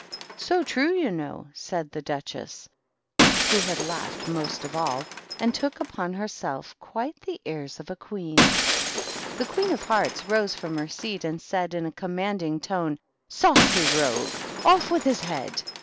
"So true, you know," said the Duchess, w THE GREAT OCCASION. 267 had laughed most of all, and took upon herself quite the airs of a queen. The Queen of Hearts rose from her seat, and said, in a commanding tone, " Saucy rogue I Off with his head